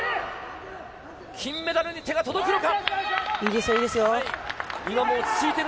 金メダルに手が届くのか。